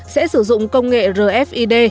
sẽ sử dụng công nghệ rfid